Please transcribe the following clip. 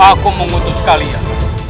aku mengutus kalian